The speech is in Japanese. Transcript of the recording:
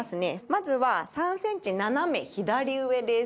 まずは３センチ斜め左上です。